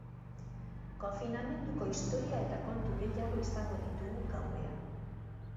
Konfinamenduko historia eta kontu gehiago izango ditugu gauean.